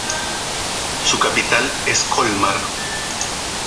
Su capital es Colmar.